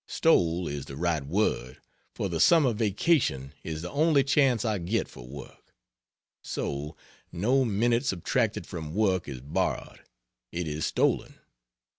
Stole is the right word, for the summer "Vacation" is the only chance I get for work; so, no minute subtracted from work is borrowed, it is stolen.